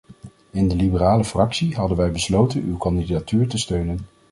In de liberale fractie hadden wij besloten uw kandidatuur te steunen.